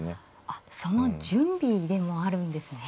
あっその準備でもあるんですね。